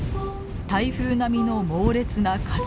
台風並みの猛烈な風。